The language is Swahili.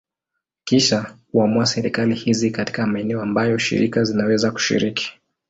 Kisha kuamua serikali hizi katika maeneo ambayo shirika zinaweza kushiriki.